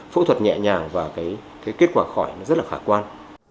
phẫu thuật nhẹ nhàng và kết quả khỏi rất là khả quan